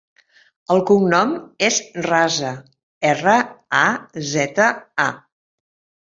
El cognom és Raza: erra, a, zeta, a.